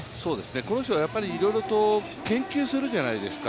この人はいろいろと研究するじゃないですか。